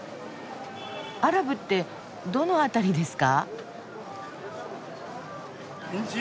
アラブってどの辺りですか？